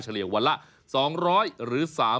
เฉลี่ยวันละ๒๐๐หรือ